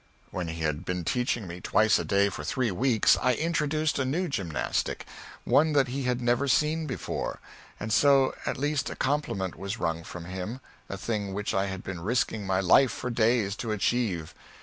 When he had been teaching me twice a day for three weeks I introduced a new gymnastic one that he had never seen before and so at last a compliment was wrung from him, a thing which I had been risking my life for days to achieve.